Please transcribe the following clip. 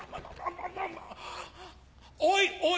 おいおい